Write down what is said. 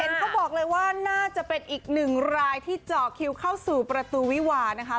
เขาบอกเลยว่าน่าจะเป็นอีกหนึ่งรายที่เจาะคิวเข้าสู่ประตูวิวานะคะ